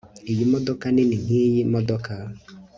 iyi modoka nini nkiyi modoka